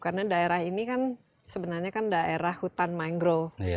karena daerah ini kan sebenarnya kan daerah hutan mangrove